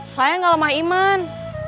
saya gak lemah iman